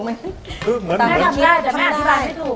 แม่ทำได้แต่แม่อธิบายไม่ถูก